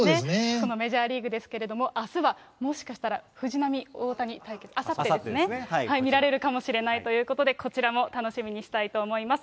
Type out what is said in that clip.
そのメジャーリーグですけれども、あすはもしかしたら、藤浪、大谷対決、あさってですね、見られるかもしれないということで、こちらも楽しみにしたいと思います。